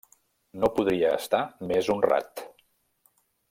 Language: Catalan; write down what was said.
No podria estar més honrat.